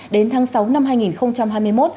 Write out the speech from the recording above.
đến tháng sáu năm hai nghìn hai mươi một